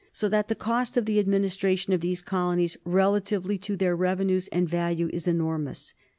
So that the cost of the administration of these colonies, relatively to their revenues and value, is enormous.